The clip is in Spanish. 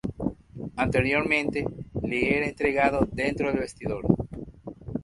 Anteriormente, le era entregado dentro del vestidor.